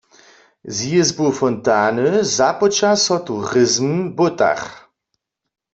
Z jězbu Fontany započa so turizm w Błótach.